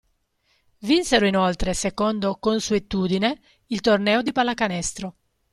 Vinsero inoltre, secondo consuetudine, il torneo di pallacanestro.